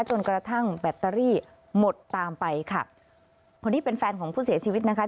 จนกระทั่งแบตเตอรี่หมดตามไปค่ะคนที่เป็นแฟนของผู้เสียชีวิตนะคะ